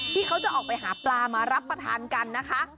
ที่เขาจะออกไปหาปลามารับประทานกันนะคะ